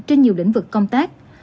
trên nhiều lĩnh vực công tác